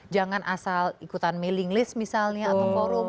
jangan asal ikutan mailing list misalnya atau forum